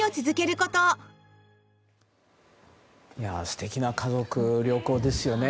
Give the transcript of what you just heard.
素敵な家族旅行ですよね。